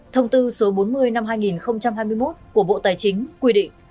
thông tư số bốn mươi năm hai nghìn hai mươi một của bộ tài chính quy định